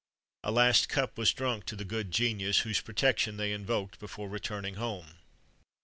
A last cup was drunk to the good genius,[XXXV 99] whose protection they invoked before returning home.